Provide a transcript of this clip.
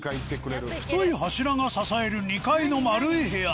太い柱が支える２階の丸い部屋。